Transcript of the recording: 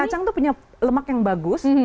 kacang itu punya lemak yang bagus